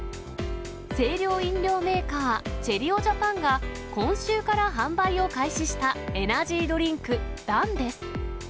清涼飲料メーカー、チェリオジャパンが今週から販売を開始したエナジードリンク暖です。